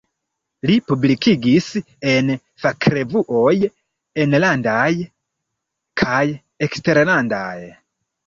Li publikigis en fakrevuoj enlandaj kaj eksterlandaj.